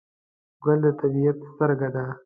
ګل د طبیعت سترګه ده.